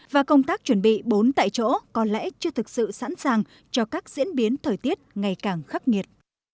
và công tác chuẩn bị bốn tại chỗ có lẽ chưa thực sự sẵn sàng cho các diễn biến thời tiết ngày càng khắc nghiệt